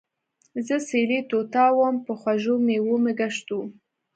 زۀ سېلي طوطا ووم پۀ خوږو مېوو مې ګشت وو